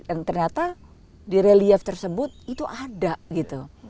dan ternyata di relief tersebut itu ada gitu